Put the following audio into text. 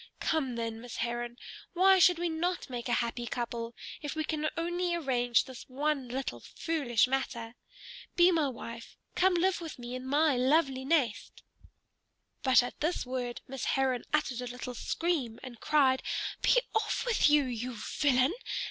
Come, then, Miss Heron, why should we not make a happy couple, if we can only arrange this one little foolish matter? Be my wife: come live with me in my lovely nest." But at this word Miss Heron uttered a little scream and cried, "Be off with you, you villain!